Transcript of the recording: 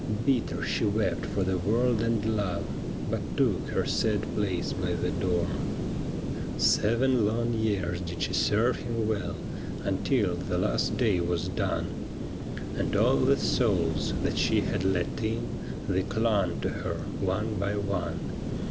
Bitter she wept for the world and love. But took her sad place by the door. Seven long years did she serve him well, Until the last day was done ; And all the souls that she had let in, They clung to her one by one.